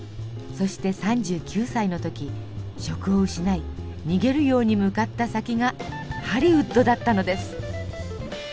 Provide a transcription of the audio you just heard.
そして３９歳の時職を失い逃げるように向かった先がハリウッドだったのです。